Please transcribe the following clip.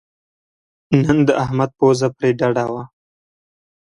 نن د احمد پوزه پرې ډډه وه.